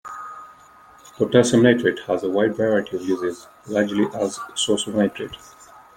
Potassium nitrate has a wide variety of uses, largely as a source of nitrate.